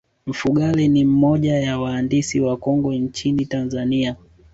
mfugale ni moja ya waandisi wakongwe nchini tanzania